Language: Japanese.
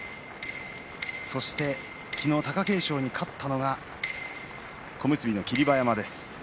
そして昨日、貴景勝に勝ったのは小結の霧馬山です。